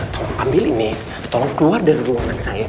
tolong ambil ini tolong keluar dari ruangan saya